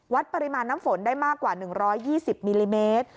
ปริมาณน้ำฝนได้มากกว่า๑๒๐มิลลิเมตร